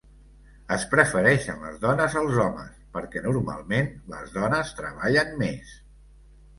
Es prefereixen les dones als homes, perquè normalment les dones treballen més.